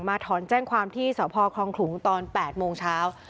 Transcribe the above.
ถอนแจ้งความที่สพคลองขลุงตอน๘โมงเช้า